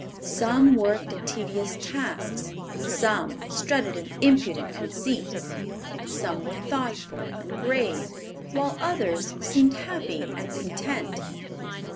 Some worked at tedious tasks; some strutted in impudent conceit; some were thoughtful and grave while others seemed happy and content.